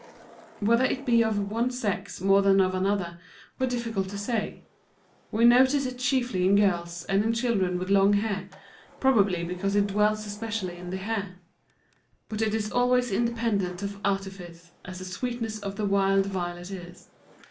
Whether it be of one sex more than of another were difficult to say. We notice it chiefly in girls and in children with long hair, probably because it dwells especially in the hair. But it is always independent of artifice as the sweetness of the wild violet is.